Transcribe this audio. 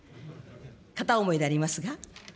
片思いでありますが。